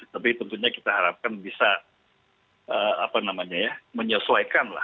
tapi tentunya kita harapkan bisa menyesuaikan lah